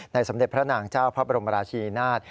ในสำเด็จพระนางเจ้าพระบรมราชินาช